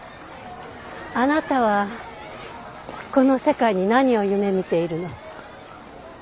あなたはこの世界に何を夢みているの？